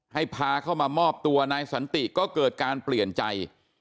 ให้พาเข้ามามอบตัวนายสันติก็เกิดการเปลี่ยนใจ